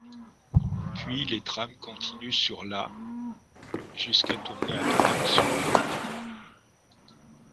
Puis les trams continuent sur la ', jusqu'à tourner à droite sur la '.